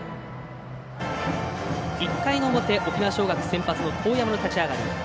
１回の表、沖縄尚学、先発の當山の立ち上がり。